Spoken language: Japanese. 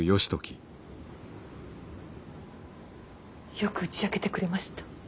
よく打ち明けてくれました。